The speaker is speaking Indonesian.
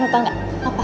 lo tau gak apa